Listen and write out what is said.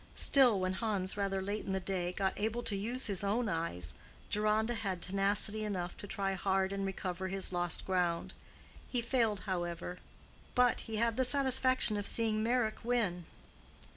Still, when Hans, rather late in the day, got able to use his own eyes, Deronda had tenacity enough to try hard and recover his lost ground. He failed, however; but he had the satisfaction of seeing Meyrick win.